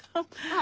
あ。